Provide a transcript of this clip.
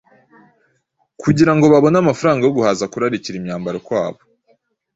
kugira ngo babone amafaranga yo guhaza kurarikira imyambaro kwabo.